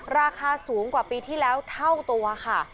ราคาสูงกว่าปีที่แล้วเท่าตัวค่ะ